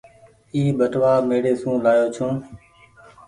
اي ٻٽوآ ميڙي سون لآيو ڇون ۔